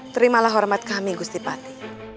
terimalah hormat kami gusti pati